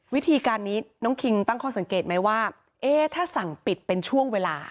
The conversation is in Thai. วิธีการนี้น้องคิงตั้งข้อสังเกตไหมว่าเอ๊ะถ้าสั่งปิดเป็นช่วงเวลา